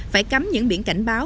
phải cắm những biển cảnh báo